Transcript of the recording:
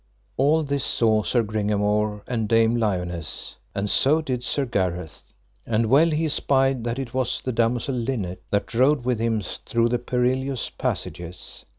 All this saw Sir Gringamore and Dame Lionesse, and so did Sir Gareth; and well he espied that it was the damosel Linet, that rode with him through the perilous passages.